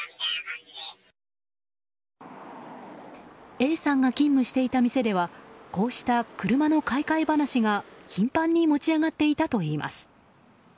Ａさんが勤務していた店ではこうした車の買い替え話が頻繁に持ち上がっていたといいます。